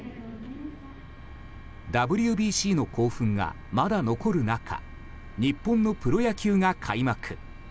ＷＢＣの興奮が、まだ残る中日本のプロ野球が開幕。